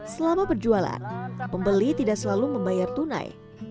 selama berjualan pembeli tidak selalu membayar tunai